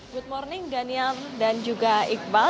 good morning daniel dan juga iqbal